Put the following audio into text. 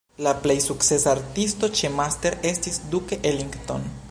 La plej sukcesa artisto ĉe Master estis Duke Ellington.